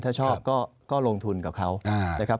ถ้าชอบก็ลงทุนกับเขานะครับ